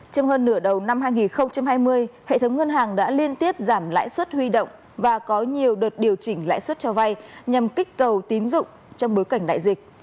trong hơn nửa đầu năm hai nghìn hai mươi hệ thống ngân hàng đã liên tiếp giảm lãi suất huy động và có nhiều đợt điều chỉnh lãi suất cho vay nhằm kích cầu tín dụng trong bối cảnh đại dịch